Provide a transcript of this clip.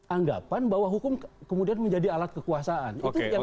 anggapan bahwa hukum kemudian menjadi alat kekuasaan